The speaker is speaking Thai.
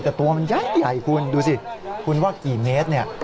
แต่ตัวมันใหญ่คุณดูสิคุณว่ากี่เมตรเนี่ย